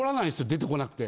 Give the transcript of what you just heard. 出てこなくて。